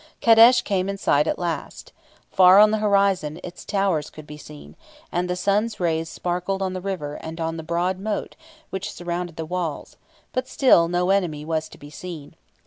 Kadesh came in sight at last. Far on the horizon its towers could be seen, and the sun's rays sparkled on the river and on the broad moat which surrounded the walls; but still no enemy was to be seen.